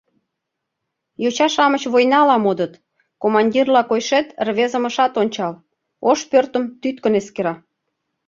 — Йоча-шамыч войнала модыт! — командирла койшет рвезым ышат ончал, Ош пӧртым тӱткын эскера.